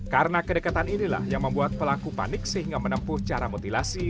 karena kedekatan inilah yang membuat pelaku panik sehingga menempuh cara mutilasi